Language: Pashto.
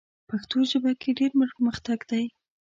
پښتو ژبه کې ډېر پرمختګ دی.